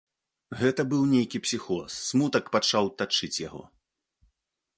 Гэта быў нейкі псіхоз, смутак пачаў тачыць яго.